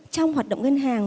trong hoạt động ngân hàng